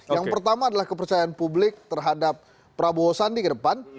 yang pertama adalah kepercayaan publik terhadap prabowo sandi ke depan